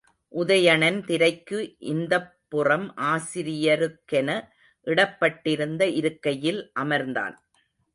உதயணன் திரைக்கு இந்தப் புறம் ஆசிரியருக்கென இடப்பட்டிருந்த இருக்கையில் அமர்ந்தான்.